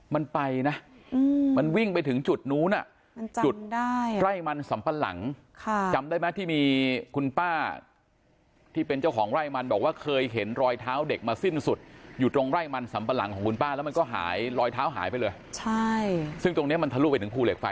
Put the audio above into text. มันไปนะมันวิ่งไปถึงจุดนู้นจุดไร่มันสำปะหลังจำได้ไหมที่มีคุณป้าที่เป็นเจ้าของไร่มันบอกว่าเคยเห็นรอยเท้าเด็กมาสิ้นสุดอยู่ตรงไร่มันสัมปะหลังของคุณป้าแล้วมันก็หายรอยเท้าหายไปเลยใช่ซึ่งตรงนี้มันทะลุไปถึงภูเหล็กไฟ